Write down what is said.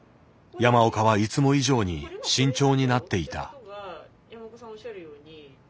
山岡はいつも以上に慎重になっていた。